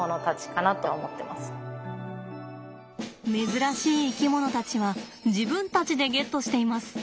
珍しい生き物たちは自分たちでゲットしています。